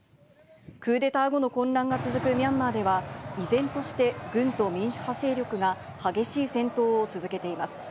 クーデター後の混乱が続くミャンマーでは、依然として軍と民主派勢力が激しい戦闘を続けています。